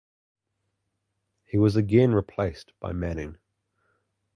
He was again replaced by Manning.